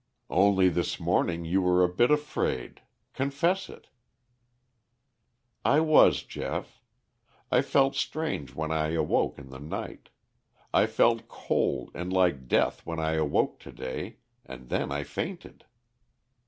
"Only this morning you were a bit afraid. Confess it." "I was, Geoff. I felt strange when I awoke in the night. I felt cold and like death when I awoke to day, and then I fainted."